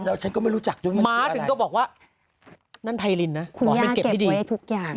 แล้วฉันก็ไม่รู้จักด้วยม้าถึงก็บอกว่านั่นไพรินนะคุณหมอเป็นเก็บที่ดีทุกอย่าง